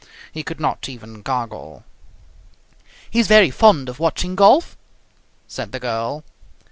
He could not even gargle. "He is very fond of watching golf," said the girl.